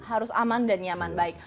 harus aman dan nyaman baik